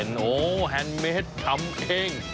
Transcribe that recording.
โอ้โฮแฮนด์เมฆทำเข้ง